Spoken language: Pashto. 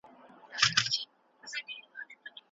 له ناوړه چاپيريال څخه بايد څوک لرې واوسي؟